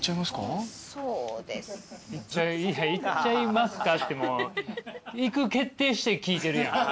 いや「行っちゃいますか？」ってもう行く決定して聞いてるやん。